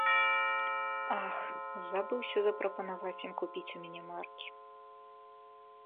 Ах, забыўся запрапанаваць ім купіць у мяне маркі!